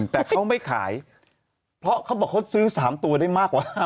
แต่เขาไม่ขายเพราะเขาบอกเขาซื้อ๓ตัวได้มากกว่า